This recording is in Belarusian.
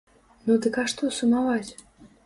Ну дык а што сумаваць?